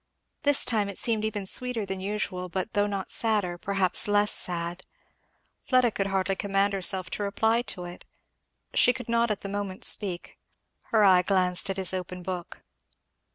This time it seemed even sweeter than usual, but though not sadder, perhaps less sad, Fleda could hardly command herself to reply to it. She could not at the moment speak; her eye glanced at his open book.